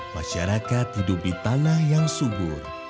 masyarakat hidup di tanah yang subur